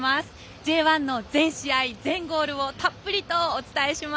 Ｊ１の全試合、全ゴールをたっぷりとお伝えします。